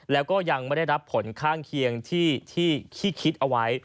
แล้วก็ยังไม่ได้รับผลข้างเคียงที่คิดเอาไว้